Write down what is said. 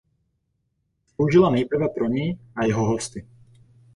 Sloužila nejprve pro něj a jeho hosty.